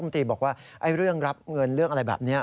บางทีบอกว่าเรื่องรับเงินอะไรแบบนี้